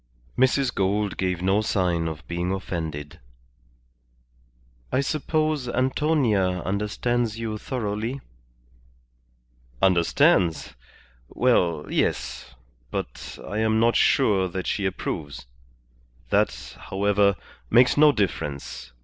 Mrs. Gould gave no sign of being offended. "I suppose Antonia understands you thoroughly?" "Understands? Well, yes. But I am not sure that she approves. That, however, makes no difference.